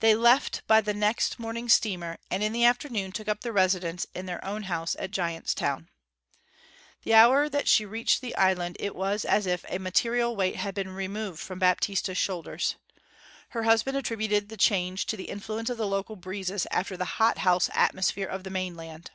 They left by the next morning steamer, and in the afternoon took up their residence in their own house at Giant's Town. The hour that she reached the island it was as if a material weight had been removed from Baptista's shoulders. Her husband attributed the change to the influence of the local breezes after the hot house atmosphere of the mainland.